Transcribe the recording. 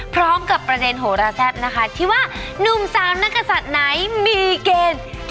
พร้อมกับประเด็นโหราแซ่บนะคะที่ว่านุ่มสาวนักศัตริย์ไหนมีเกณฑ์